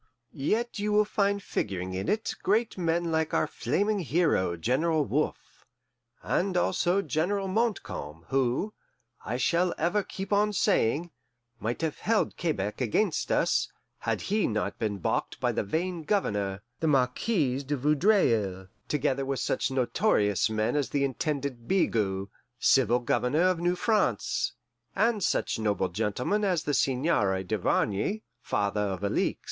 Yet you will find figuring in it great men like our flaming hero General Wolfe, and also General Montcalm, who, I shall ever keep on saying, might have held Quebec against us, had he not been balked by the vain Governor, the Marquis de Vaudreuil; together with such notorious men as the Intendant Bigot, civil governor of New France, and such noble gentlemen as the Seigneur Duvarney, father of Alixe.